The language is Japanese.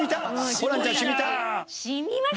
ホランちゃんしみた？